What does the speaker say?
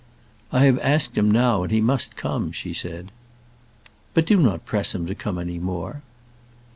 "I have asked him now, and he must come," she said. "But do not press him to come any more."